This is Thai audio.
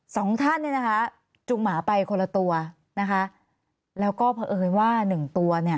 สองท่านจูงหมาไปคนละตัวแล้วก็เผอิญว่าหนึ่งตัว